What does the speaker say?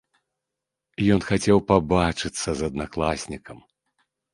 Ён хацеў пабачыцца з аднакласнікам.